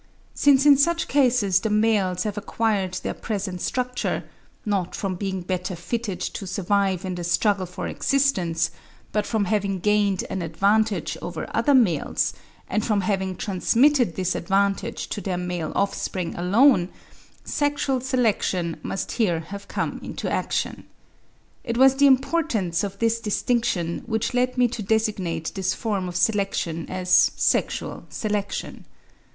Since in such cases the males have acquired their present structure, not from being better fitted to survive in the struggle for existence, but from having gained an advantage over other males, and from having transmitted this advantage to their male offspring alone, sexual selection must here have come into action. It was the importance of this distinction which led me to designate this form of selection as Sexual Selection.